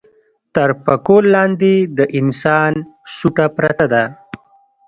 تر پکول لاندې د انسان سوټه پرته ده.